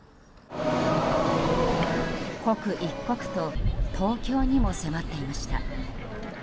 刻一刻と東京にも迫っていました。